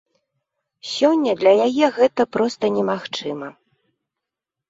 Сёння для яе гэта проста немагчыма.